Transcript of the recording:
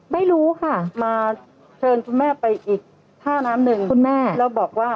ไม่รู้ค่ะมาเชิญคุณแม่ไปอีกท่าน้ำหนึ่งคุณแม่แล้วบอกว่า